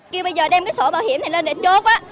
khi bây giờ đem cái sổ bảo hiểm này lên để chốt